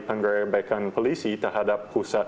penggerabekan polisi terhadap pusat